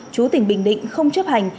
chú tỉnh bình định không chấp hành